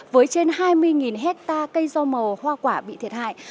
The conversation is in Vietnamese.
với trên hai mươi hectare cây rau màu hoa quả bị thiệt hại